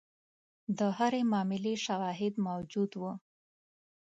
د هرې معاملې شواهد موجود وو.